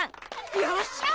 よっしゃ！